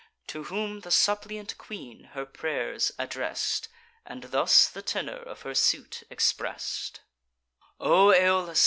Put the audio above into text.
To whom the suppliant queen her pray'rs address'd, And thus the tenor of her suit express'd: "O Aeolus!